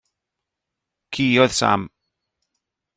Ci oedd Sam.